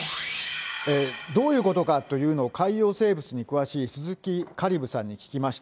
どういうことかというのを、海洋生物に詳しい鈴木香里武さんに聞きました。